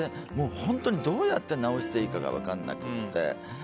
本当にどうやって治していいかが分からなくて。